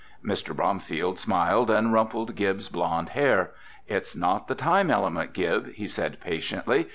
Mr. Bromfield smiled and rumpled Gib's blond hair. "It's not the time element, Gib," he said patiently.